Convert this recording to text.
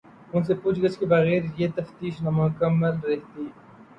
ان سے پوچھ گچھ کے بغیر یہ تفتیش نامکمل رہتی۔